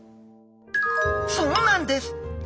そうなんです！